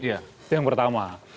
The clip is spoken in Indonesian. itu yang pertama